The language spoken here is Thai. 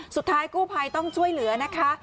สุดท้ายกู้ภัยต้องช่วยเหลือนะคะ